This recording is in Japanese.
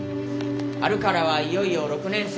春からはいよいよ６年生。